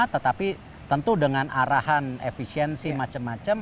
tetapi tentu dengan arahan efisiensi macam macam